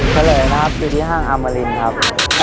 เฉลยนะครับอยู่ที่ห้างอมรินครับ